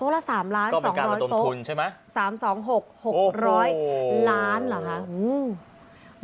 โต๊ะละ๓ล้าน๒๐๐โต๊ะ๓๒๖๖๐๐ล้านเหรอฮะ